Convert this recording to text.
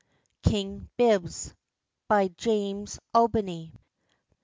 KING BIBBS. JAMES ALBERY.